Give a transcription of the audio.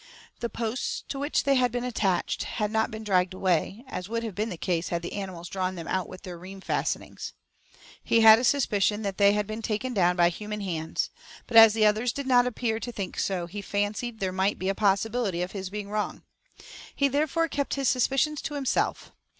The posts to which they had been attached had not been dragged away, as would have been the case had the animals drawn them out with their rheim fastenings. He had a suspicion that they had been taken down by human hands; but, as the others did not appear to think so, he fancied there might be a possibility of his being wrong. He therefore kept his suspicions to himself.